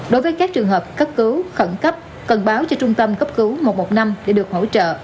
đối với các trường hợp cấp cứu khẩn cấp cần báo cho trung tâm cấp cứu một trăm một mươi năm để được hỗ trợ